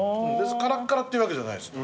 からっからっていうわけじゃないです。